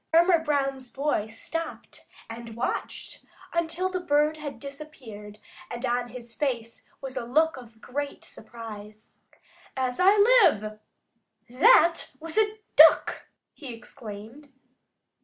Farmer Brown's boy stopped and watched until the bird had disappeared, and on his face was a look of great surprise. "As I live, that was a Duck!" he exclaimed.